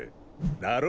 だろ？